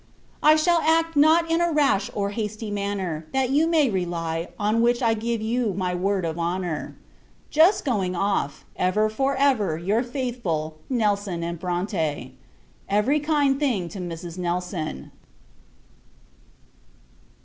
I shall act not in a rash or hasty manner; that you may rely, and on which I give you my word of honour. Just going off. Ever, for ever, your faithful NELSON & BRONTE. Every kind thing to Mrs. Nelson.